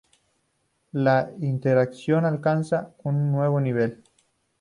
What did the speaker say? La interacción alcanza un nuevo nivel.